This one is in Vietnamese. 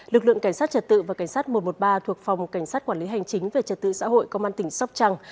lực lượng cảnh sát trật tự và cảnh sát một trăm một mươi ba thuộc phòng cảnh sát quản lý hành chính về trật tự xã hội công an tỉnh sóc trăng